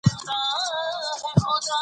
ښځه منفعله ګڼله،